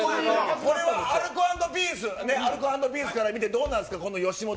これはアルコ＆ピース、アルコ＆ピースから見て、どうなんですか？